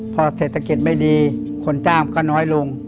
พอเศรษฐกิจไม่ดีคนจ้างก็น้อยลง